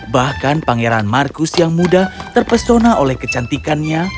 bahkan pangeran marcus yang muda terpesona oleh kecantikannya